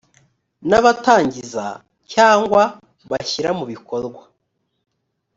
n abatangiza cyangwa bashyira mu bikorwa